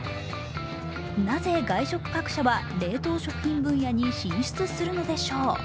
なぜ、外食各社は冷凍食品分野に進出するのでしょう？